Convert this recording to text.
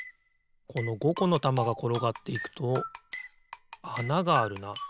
この５このたまがころがっていくとあながあるな。